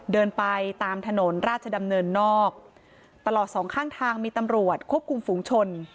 เดินไปตามถนนราชดำเนินนอกตลอดสองข้างทางมีตำรวจควบคุมฝูงชน